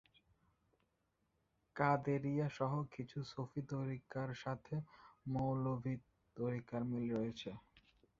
কাদেরিয়া সহ কিছু সুফি তরিকার সাথে মৌলভি তরিকার মিল রয়েছে।